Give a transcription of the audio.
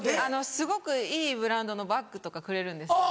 すごくいいブランドのバッグとかくれるんですけど。